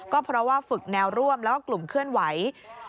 ก็เพราะว่าฝึกแนวร่วมแล้วก็กลุ่มเคลื่อนไหว